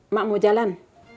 mak mau jalan